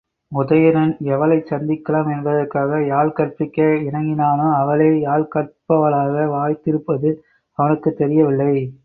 உதயணன் எவளைச் சந்திக்கலாம் என்பதற்காக யாழ் கற்பிக்க இணங்கினானோ, அவளே யாழ் கற்பவளாக வாய்த்திருப்பது அவனுக்குத் தெரியவில்லை.